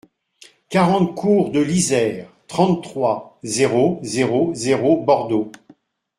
quarante cours de l'Yser, trente-trois, zéro zéro zéro, Bordeaux